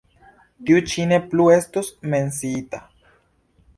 Tiu ĉi ne plu estos menciita.